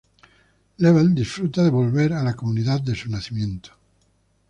Leavell disfruta "devolver" a la comunidad de su nacimiento.